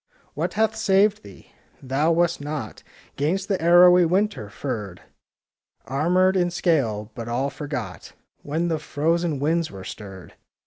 What hath saved thee? Thou wast not 'Gainst the arrowy winter furred,— Armed in scale,— but all forgot When the frozen winds were stirred.